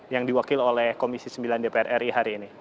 yang diwakil oleh komisi sembilan dpr ri hari ini